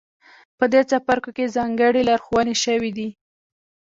په دې څپرکو کې ځانګړې لارښوونې شوې دي.